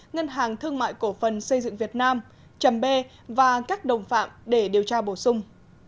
ngân hàng thương mại cổ phần xây dựng việt nam chầm bê và các đồng phạm để điều tra bổ sung